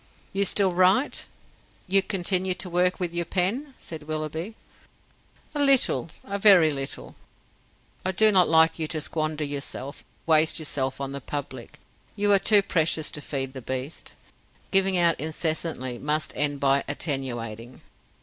"You still write? you continue to work with your pen?" said Willoughby. "A little; a very little." "I do not like you to squander yourself, waste yourself, on the public. You are too precious to feed the beast. Giving out incessantly must end by attenuating.